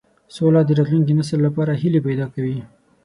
سوله د راتلونکي نسل لپاره هیلې پیدا کوي.